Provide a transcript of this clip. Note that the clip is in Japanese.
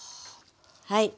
はい。